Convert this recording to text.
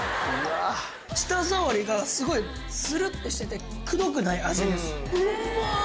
舌触りがすごいスルってしててくどくない味ですうまっ！